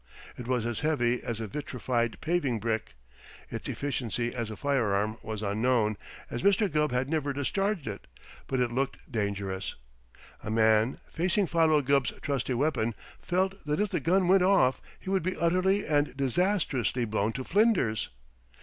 It was as heavy as a vitrified paving brick. Its efficiency as a firearm was unknown, as Mr. Gubb had never discharged it, but it looked dangerous. A man, facing Philo Gubb's trusty weapon, felt that if the gun went off he would be utterly and disastrously blown to flinders.